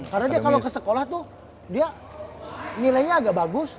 karena dia kalau ke sekolah tuh dia nilainya agak bagus